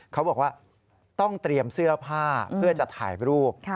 เขาบอกว่าต้องเตรียมเสื้อผ้าเพื่อจะถ่ายรูป